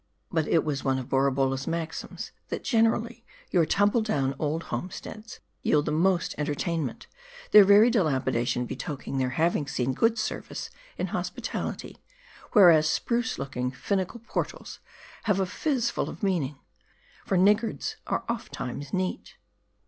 But it was one of Borabolla's max ims, that generally your tumble down old homesteads yield the most entertainment ; their very dilapidation betokening their having seen good service in hospitality ; whereas, spruce looking, finical portals, have a phiz full of meaning ; for niggards are oftentimes neat.